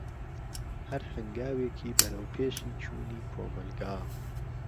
هەر هەنگاوێکی بەروەپێشی چوونی کۆمەلگا.